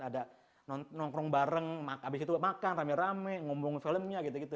ada nongkrong bareng habis itu makan rame rame ngomong filmnya gitu gitu